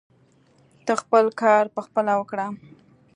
ته خپل کار پخپله وکړه.